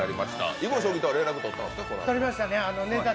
囲碁将棋とは連絡取ったんですか、このあと。